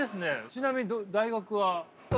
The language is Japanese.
ちなみに大学は？